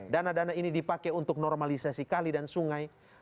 dana dana ini dipakai untuk normalisasi kali dan sungai